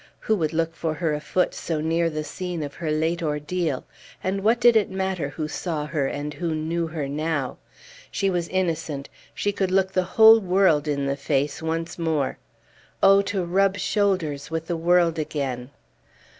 Who would look for her afoot so near the scene of her late ordeal? And what did it matter who saw her and who knew her now? She was innocent; she could look the whole world in the face once more. Oh, to rub shoulders with the world again!